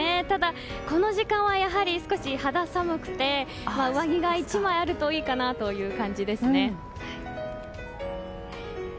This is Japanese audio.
ただ、この時間はやはり少し肌寒くて上着が１枚あるといいかなという感じですね。